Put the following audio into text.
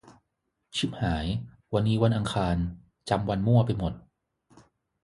ชิบหาย วันนี้วันอังคาร จำวันมั่วไปหมด